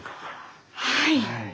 はい！